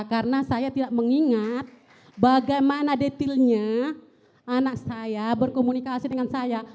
karena saya tidak mengingat bagaimana detailnya anak saya berkomunikasi dengan saya